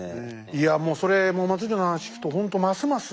いやもうそれ松潤の話聞くとほんとますます